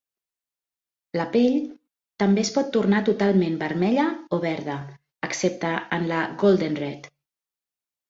La pell també es pot tornar totalment vermella o verda, excepte en la Golden Red.